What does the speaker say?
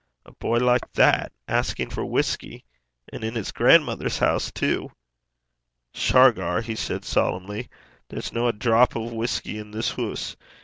A boy like that asking for whisky! and in his grandmother's house, too! 'Shargar,' he said solemnly, 'there's no a drap o' whusky i' this hoose.